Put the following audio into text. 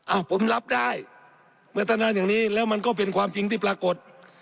ผมรับได้เมื่อท่านอ่านอย่างนี้แล้วมันก็เป็นความจริงที่ปรากฏ